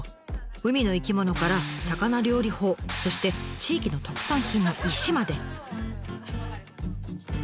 海の生き物から魚料理法そして地域の特産品の石まで。